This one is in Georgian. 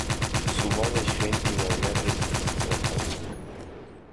სულ მალე ჟღენტი იმავე იარაღით მოიკლა თავი.